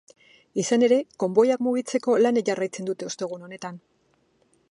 Izan ere, konboiak mugitzeko lanek jarraitzen dute ostegun honetan.